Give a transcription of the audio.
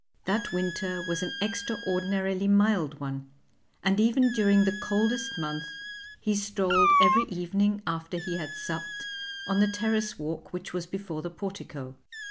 That winter was an extraordinarily mild one, and even during the coldest month he strolled every evening after he had supped on the terrace walk which was before the portico.